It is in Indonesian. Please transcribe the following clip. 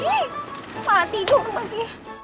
ih malah tidur pagi